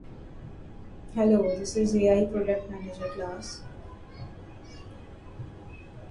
They will be feet tall.